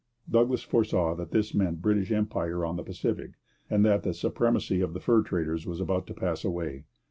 Douglas foresaw that this meant British empire on the Pacific and that the supremacy of the fur traders was about to pass away.